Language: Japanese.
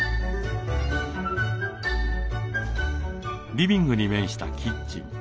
リビングに面したキッチン。